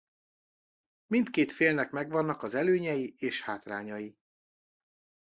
Mindkét félnek megvannak az előnyei és hátrányai.